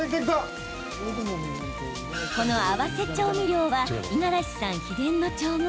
この合わせ調味料は五十嵐さん秘伝の調合。